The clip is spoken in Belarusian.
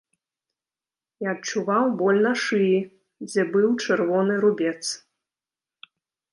І адчуваў боль на шыі, дзе быў чырвоны рубец.